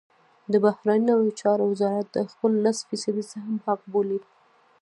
د بهرنیو چارو وزارت د خپل لس فیصدۍ سهم حق بولي.